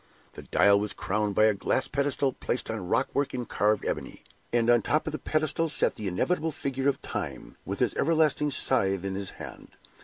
The dial was crowned by a glass pedestal placed on rock work in carved ebony; and on the top of the pedestal sat the inevitable figure of Time, with his everlasting scythe in his hand.